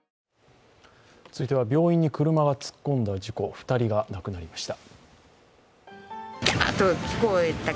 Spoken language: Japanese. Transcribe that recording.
続いては、病院に車が突っ込んだ事故、２人が亡くなりました。